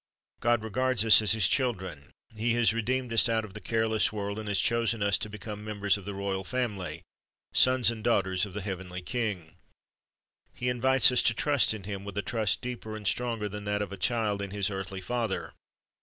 God regards us as His children. He has redeemed us out of the careless world, and has chosen us to become members of the royal family, sons and daughters of the heavenly King. He invites us to trust in Him with a trust deeper and stronger than that of a child in his earthly father.